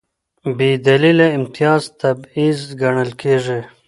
بېدلیله امتیاز تبعیض ګڼل کېږي.